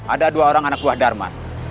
ada dua orang anak buah darman